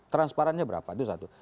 transparannya berapa itu satu